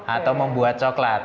atau membuat coklat